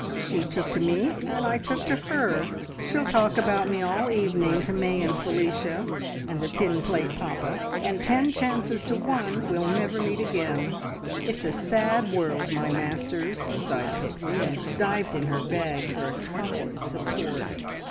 She took to me, and I took to her. She'll talk about me all evening to May and Felicia, and the tin plate Papa, and ten chances to one we'll never meet again. `It's a sad world, my masters!'" sighed Pixie, and dived in her bag for a chocolate support.